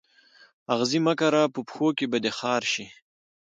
آغزي مه کره په پښو کي به دي خار سي